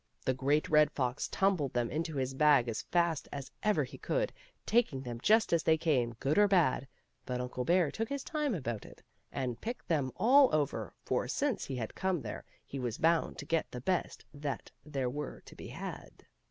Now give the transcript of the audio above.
The Great Red Fox tumbled them into his bag as fast as ever he could, taking them just as they came, good or bad ; but Uncle Bear took his time about it and picked them all over, for since he had come there he was bound to get the best that were to be had.